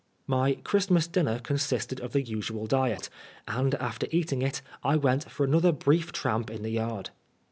My Christmas dinner consisted of the usual diet, and after eating it I went for another brief tramp in the yard.